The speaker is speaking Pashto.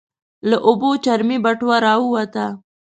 له اوبو چرمي بټوه راووته.